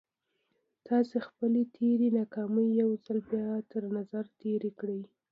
تاسې خپلې تېرې ناکامۍ يو ځل بيا تر نظر تېرې کړئ.